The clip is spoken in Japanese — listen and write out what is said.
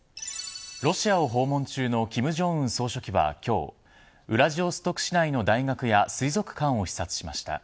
ロシアを訪問中の金正恩総書記は今日ウラジオストク市内の大学や水族館を視察しました。